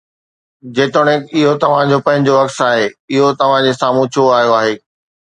جيتوڻيڪ اهو توهان جو پنهنجو عڪس آهي، اهو توهان جي سامهون ڇو آيو آهي؟